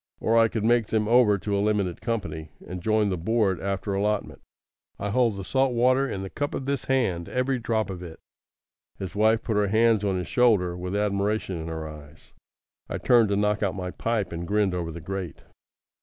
Or I could make them over to a limited company, and join the board after allotment. I hold the salt water in the cup of this hand, every drop of it." His wife put her hands on his shoulder with admiration in her eyes. I turned to knock out my pipe, and grinned over the grate.